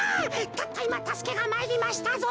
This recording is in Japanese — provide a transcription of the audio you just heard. たったいまたすけがまいりましたぞ。